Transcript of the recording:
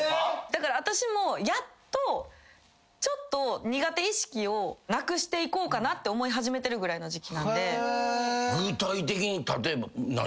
だからあたしもやっとちょっと苦手意識をなくしていこうかなって思い始めてるぐらいの時期なんで。